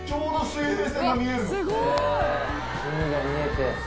海が見えて。